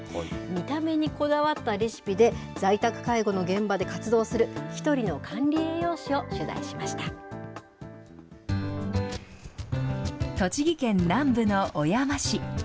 見た目にこだわったレシピで、在宅介護の現場で活動する１人の管栃木県南部の小山市。